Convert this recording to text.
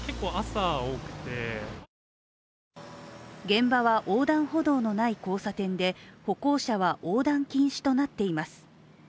現場は横断歩道のない交差点で歩行者は横断禁止となっています。